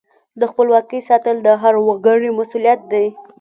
د خپلواکۍ ساتل د هر وګړي مسؤلیت دی.